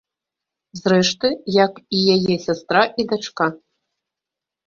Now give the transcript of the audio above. Зрэшты, як і яе сястра і дачка.